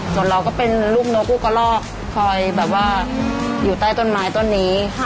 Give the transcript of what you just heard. ส่วนเราก็เป็นลูกนกลูกกระลอกคอยแบบว่าอยู่ใต้ต้นไม้ต้นนี้